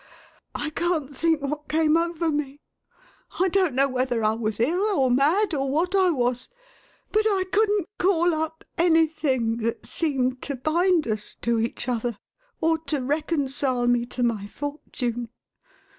I can't think what came over me. I don't know whether I was ill, or mad, or what I was, but I couldn't call up anything that seemed to bind us to each other, or to reconcile me to my fortune.